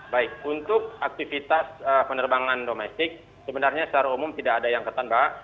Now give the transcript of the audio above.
baik untuk aktivitas penerbangan domestik sebenarnya secara umum tidak ada yang ketan mbak